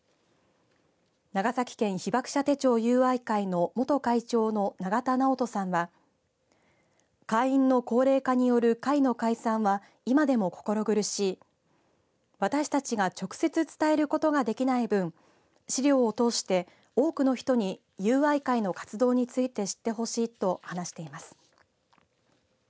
長崎県被爆者手帳友愛会の元会長の永田直人さんは会員の高齢化による会の解散は今でも心苦しい私たちが直接伝えることができない分資料を通して多くの人に友愛会の活動について知ってほしいと話しています。